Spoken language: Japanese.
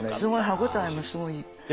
歯応えもすごいいい。